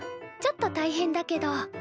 ちょっと大変だけど。